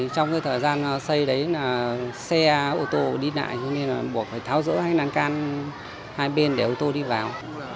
trong thời gian xây đó xe ô tô đi lại nên buộc phải tháo giữa hai lan can hai bên để ô tô đi vào